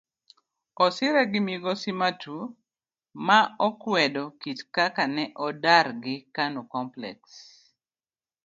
Osire gi migosi Matuu ma okwedo kit kaka ne odargi kanu complex.